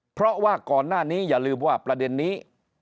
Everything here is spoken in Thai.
เพราะว่าก่อนหน้านี้อย่าลืมว่าประเด็นนี้